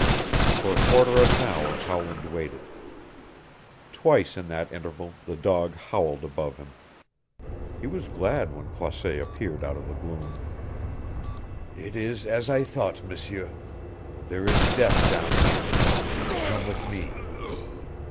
For a quarter of an hour Howland waited. Twice in that interval the dog howled above him. He was glad when Croisset appeared out of the gloom. "It is as I thought, M'seur. There is death down here. Come with me!"